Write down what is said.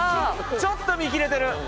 ちょっと見切れてる。